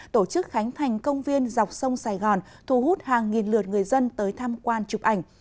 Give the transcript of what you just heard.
tổ chức khánh thành công viên dọc sông sài gòn thu hút hàng nghìn lượt người dân tới tham quan chụp ảnh